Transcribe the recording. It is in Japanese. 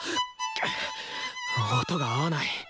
くっ音が合わない！